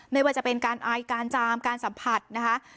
ไม่ว่าจะเป็นการอายการจามการสัมผัสนะคะ